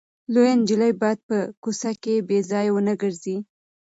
لويه نجلۍ باید په کوڅو کې بې ځایه ونه ګرځي.